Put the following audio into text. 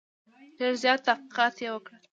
ډېر زیات تحقیقات یې وکړل.